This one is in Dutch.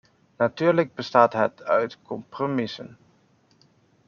Natuurlijk bestaat het uit compromissen.